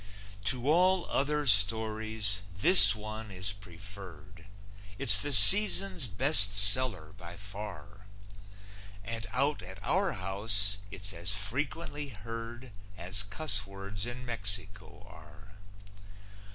To all other stories, this one is preferred; It's the season's best seller by far, And out at our house it's as frequently heard As cuss words in Mexico are.